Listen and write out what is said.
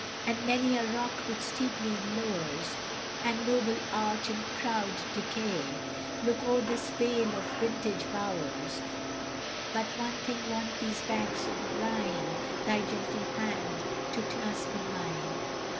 And many a rock which steeply lours, And noble arch in proud decay, Look o'er this vale of vintage bowers; But one thing want these banks of Rhine Thy gentle hand to clasp in mine!